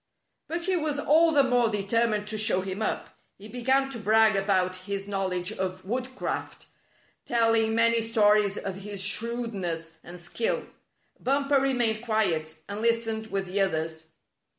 But he was all the more determined to show him up. He began to brag about his knowledge of woodcraft, telling many stories of his shrewd ness and skill. Bumper remained quiet, and lis tened with the others.